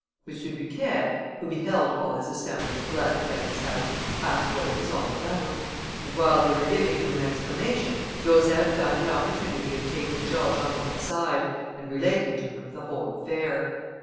M. Bucquet, who beheld all this assemblage collected at his house, asked what it was all about; and while they were giving him an explanation, Joseph found an opportunity of taking George on one side, and relating to him the whole affair.